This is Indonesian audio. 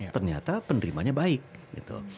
ternyata penerimanya baik gitu